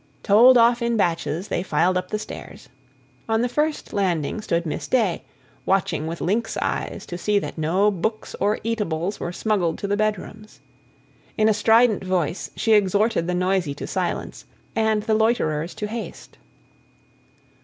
Told off in batches, they filed up the stairs. On the first landing stood Miss Day, watching with lynx eyes to see that no books or eatables were smuggled to the bedrooms. In a strident voice she exhorted the noisy to silence, and the loiterers to haste.